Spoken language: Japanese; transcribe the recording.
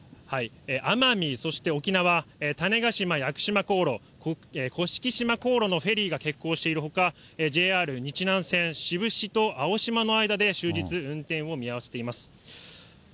奄美、そして沖縄、種子島、屋久島航路、こしき島航路のフェリーが結構しているほか、ＪＲ日南線、志布志と青島の間で終日、運転を見合わせています。